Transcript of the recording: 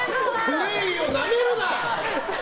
クレイをなめるな！